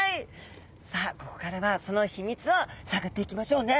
さあここからはその秘密を探っていきましょうね。